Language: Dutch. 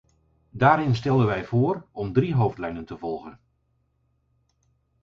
Daarin stelden wij voor om drie hoofdlijnen te volgen.